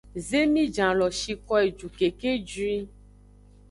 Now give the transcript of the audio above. Zemijan lo shiko eju keke juin.